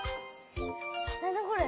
なんだこれ？